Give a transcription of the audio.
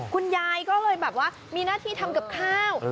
คุณยายก็เลยแบบว่ามีหน้าที่ทำกับข้าว